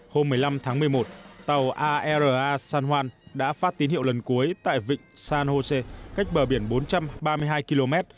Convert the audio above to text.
hôm một mươi năm tháng một mươi một tàu aerea san juan đã phát tín hiệu lần cuối tại vịnh san jose cách bờ biển bốn trăm ba mươi hai km